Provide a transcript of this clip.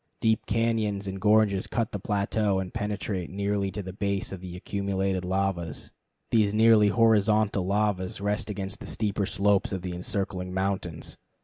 Deep cañons and gorges cut the plateau, and penetrate nearly to the base of the accumulated lavas. These nearly horizontal lavas rest against the steeper slopes of the encircling mountains.